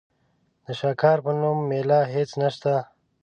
د شاکار په نوم مېله هېڅ نشته.